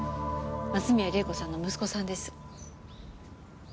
松宮玲子さんの息子さんです。